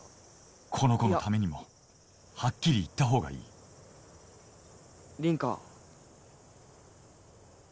この子のためにもはっきり言った方がいい凛花